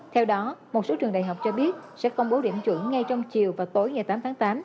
theo đó một số trường đại học cho biết sẽ công bố điểm chuẩn ngay trong chiều và tối ngày tám tháng tám